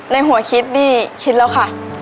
ในหัวคิดนี่คิดแล้วค่ะ